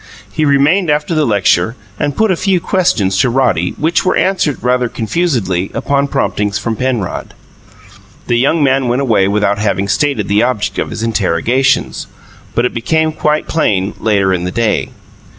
He remained after the lecture, and put a few questions to Roddy, which were answered rather confusedly upon promptings from Penrod. The young man went away without having stated the object of his interrogations, but it became quite plain, later in the day.